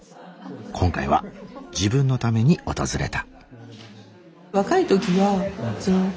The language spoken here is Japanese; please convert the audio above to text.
今回は自分のために訪れた。